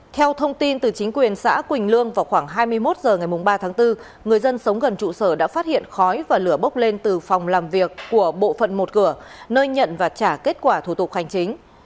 theo thông tin từ chính quyền xã quỳnh lương vào khoảng hai mươi một h ngày ba tháng bốn người dân sống gần trụ sở đã phát hiện khói và lửa bốc lên từ phòng làm việc của bộ phận một cửa nơi nhận và trả kết quả thủ tục hành chính